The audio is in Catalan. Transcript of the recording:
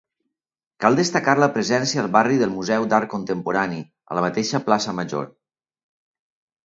Cal destacar la presència al barri del Museu d'Art Contemporani, a la mateixa plaça Major.